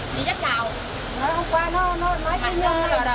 thì rất đau